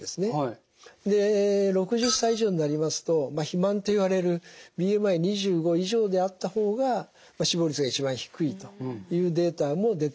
で６０歳以上になりますと肥満といわれるＢＭＩ２５以上であった方が死亡率が一番低いというデータも出ています。